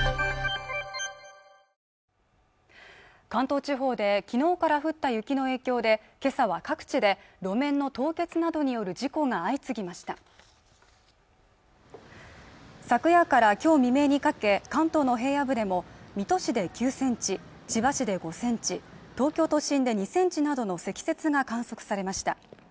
関東地方できのうから降った雪の影響でけさは各地で路面の凍結などによる事故が相次ぎました昨夜から今日未明にかけ関東の平野部でも水戸市で９センチ千葉市で５センチ東京都心で２センチなどの積雪が観測されました